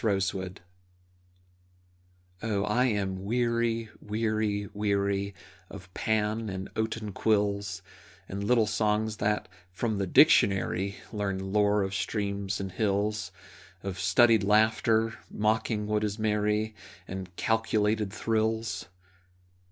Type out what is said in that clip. Protest Oh, I am weary, weary, weary Of Pan and oaten quills And little songs that, from the dictionary, Learn lore of streams and hills, Of studied laughter, mocking what is merry, And calculated thrills!